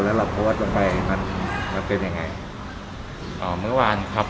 แล้วเราโพสต์ลงไปมันมันเป็นยังไงอ่าเมื่อวานครับ